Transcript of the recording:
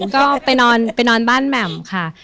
ก็ไปนอนบ้านแหม่มค่ะ